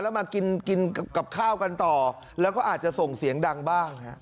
แล้วมากินกินกับข้าวกันต่อแล้วก็อาจจะส่งเสียงดังบ้างฮะ